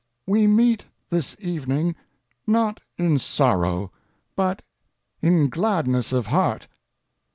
We meet this evening, not in sorrow, but in gladness of heart.